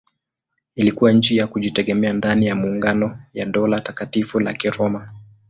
Ilikuwa nchi ya kujitegemea ndani ya maungano ya Dola Takatifu la Kiroma.